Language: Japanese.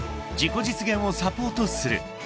自己実現をサポートする］